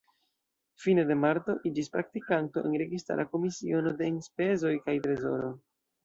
Fine de marto iĝis praktikanto en Registara Komisiono de Enspezoj kaj Trezoro.